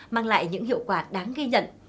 mang lại những hiệu quả đáng ghi nhận